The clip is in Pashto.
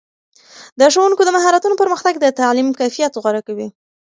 د ښوونکو د مهارتونو پرمختګ د تعلیم کیفیت غوره کوي.